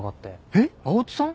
えっ青砥さん？